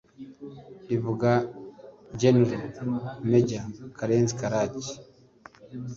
rivuga General-Major Karenzi Karake